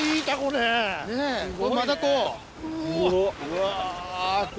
うわ。